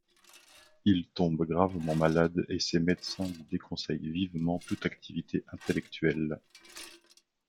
Il tombe gravement malade et ses médecins lui déconseillent vivement toute activité intellectuelle.